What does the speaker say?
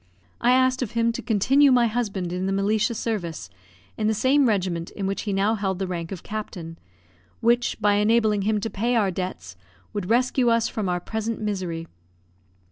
I asked of him to continue my husband in the militia service, in the same regiment in which he now held the rank of captain, which, by enabling him to pay our debts, would rescue us from our present misery.